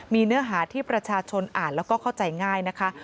มีเนื้อหาที่ประชาชนอ่านแล้วก็เข้าใจง่ายนะคะ